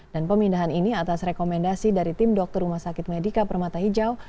dan pemindahan ini atas rekomendasi dari tim dokter rumah sakit medica permata hijau